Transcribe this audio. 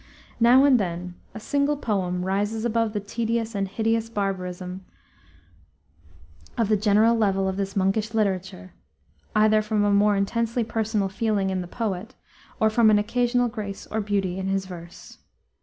Now and then a single poem rises above the tedious and hideous barbarism of the general level of this monkish literature, either from a more intensely personal feeling in the poet, or from an occasional grace or beauty in his verse.